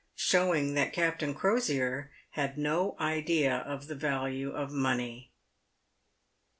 SHOWING THAT CAPTAIN CROSIER HAD NO IDEA OF THE VALUE OF MONEY.